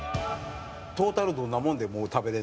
トータルどんなもんでもう食べれるの？